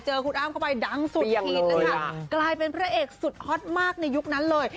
คุณอ้ามเข้าไปดังสุดขีดเลยค่ะกลายเป็นพระเอกสุดฮอตมากในยุคนั้นเลย